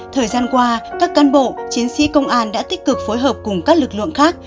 thời gian qua các cán bộ chiến sĩ công an đã tích cực phối hợp cùng các lực lượng khác